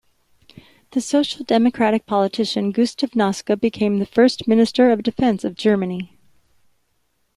The Social Democratic politician Gustav Noske became the first Minister of Defence of Germany.